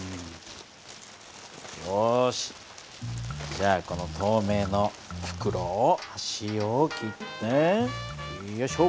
よしじゃあこの透明の袋をはしを切ってよいしょ。